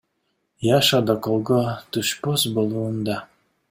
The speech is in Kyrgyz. Яша да колго түшпөс болууда.